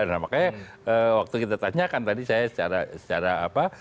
nah makanya waktu kita tanyakan tadi saya secara apa